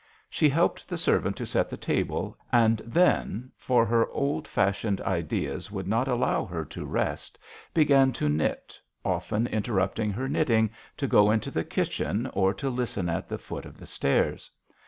She helped the servant to set the table, and then, for her old fashioned ideas would not allow her to rest, began to knit, often interrupting her knitting to go into the kitchen or to listen at the foot of the stairs.